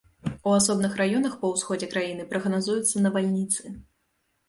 У асобных раёнах па ўсходзе краіны прагназуюцца навальніцы.